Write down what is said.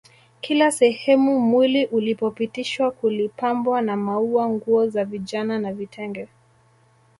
Kila sehemu mwili ulipopitishwa kulipambwa na maua nguo za vijana na vitenge